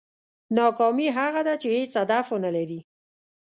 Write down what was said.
ناکامي هغه ده چې هېڅ هدف ونه لرې.